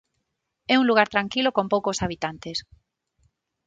É un lugar tranquilo con poucos habitantes.